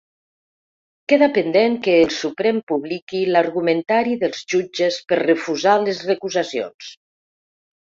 Queda pendent que el Suprem publiqui l’argumentari dels jutges per refusar les recusacions.